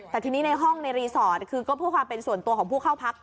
แต่ทีนี้ในห้องในรีสอร์ทคือก็เพื่อความเป็นส่วนตัวของผู้เข้าพัก